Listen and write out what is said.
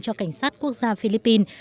cho cảnh sát quốc gia philippines